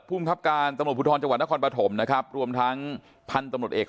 ผู้มีความการตำรวจผู้ทรรย์จังหวัดนครปฐมนะครับรวมทั้งพันตำรวจเอก